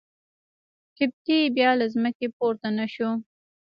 قبطي بیا له ځمکې پورته نه شو.